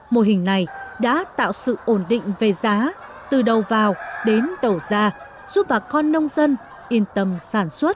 mô hình này đã tạo sự ổn định về giá từ đầu vào đến đầu ra giúp bà con nông dân yên tâm sản xuất